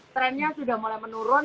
trennya sudah mulai menurun